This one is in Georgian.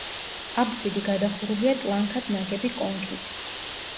აბსიდი გადახურულია ტლანქად ნაგები კონქით.